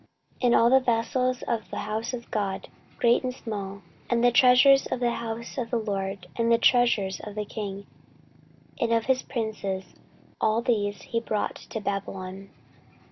14:036:018 And all the vessels of the house of God, great and small, and the treasures of the house of the LORD, and the treasures of the king, and of his princes; all these he brought to Babylon.